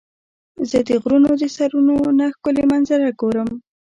زه د غرونو د سرونو نه ښکلي منظره ګورم.